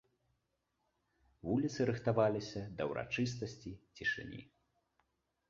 Вуліцы рыхтаваліся да ўрачыстасці цішыні.